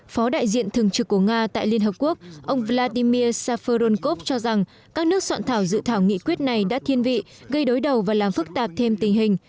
tổng thống nga vladimir safarunkov cho rằng các nước soạn thảo dự thảo nghị quyết này đã thiên vị gây đối đầu và làm phức tạp thêm tình hình